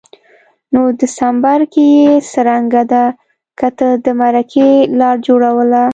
نو دسمبر کي یې څرنګه ده ته د مرکې لار جوړوله